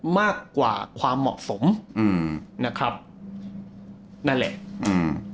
มากกว่าความเหมาะสมอืมนะครับนั่นแหละอืม